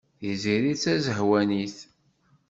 Tiziri d tazehwanit.